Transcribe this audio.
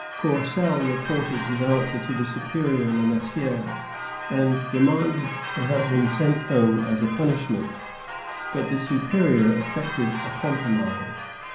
Courcelle reported his answer to the superior, Le Mercier, and demanded to have him sent home as a punishment; but the superior effected a compromise.